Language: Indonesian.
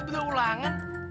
kok itu bener ulangan